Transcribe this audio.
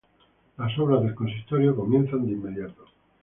Las obras del Consistorio comienzan de inmediato.